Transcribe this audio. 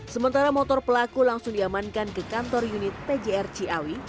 sementara motor pelaku langsung diamankan ke kantor unit pjr ciawi